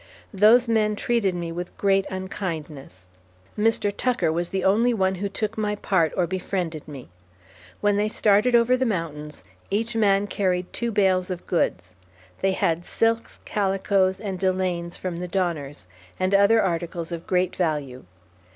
Those men treated me with great unkindness. Mr. Tucker was the only one who took my part or befriended me. When they started over the mountains, each man carried two bales of goods. They had silks, calicoes, and delaines from the Donners, and other articles of great value.